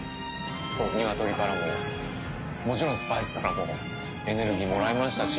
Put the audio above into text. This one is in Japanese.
ニワトリからももちろんスパイスからもエネルギーもらいましたし。